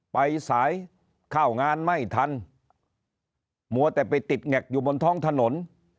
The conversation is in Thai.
ไปสายเข้างานไม่ทันมัวแต่ไปติดแงกอยู่บนท้องถนน